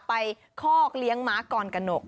ไปฆอกเลี้ยงม้ากรกรนก